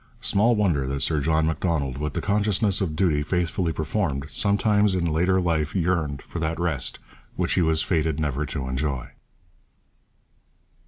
Small wonder that Sir John Macdonald, with the consciousness of duty faithfully performed, sometimes in later life yearned for that rest which he was fated never to enjoy.